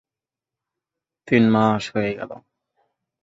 তিন মাস হয়ে গেল।